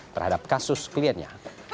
terhadap kasus kliennya